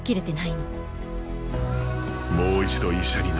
もう一度医者になる。